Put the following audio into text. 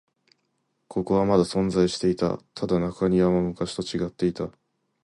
ここはまだ存在していた。ただ、中庭も昔と違っていた。